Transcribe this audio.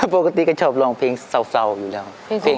ปกติก็ชอบร้องเพลงเศร้าอยู่แล้ว